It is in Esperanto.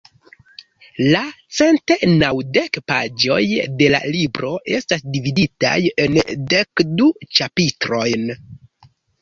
La cent naŭdek paĝoj de la libro estas dividitaj en dek du ĉapitrojn.